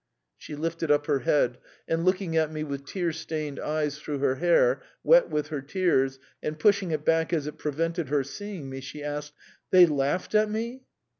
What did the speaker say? She lifted up her head, and looking at me with tear stained eyes through her hair, wet with her tears, and pushing it back as it prevented her seeing me, she asked: "They laughed at me?"